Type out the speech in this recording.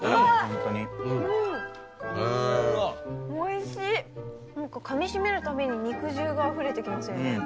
何かかみしめるたびに肉汁があふれてきますよね。